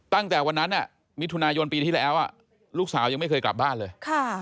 ตั้งแต่วันนั้นมิถุนายนปีที่แล้วลูกสาวยังไม่เคยกลับบ้านเลย